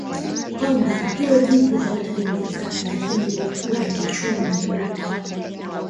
Kwamba hilo jitu hawataliweza lakini lilikuwa likichomwa mkuki